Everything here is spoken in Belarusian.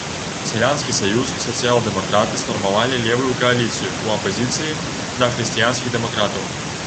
Сялянскі саюз і сацыял-дэмакраты сфармавалі левую кааліцыю ў апазіцыі да хрысціянскіх дэмакратаў.